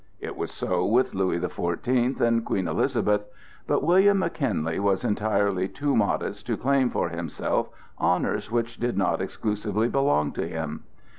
It was so with Louis the Fourteenth and Queen Elizabeth, but William McKinley was entirely too modest to claim for himself honors which did not exclusively belong to him.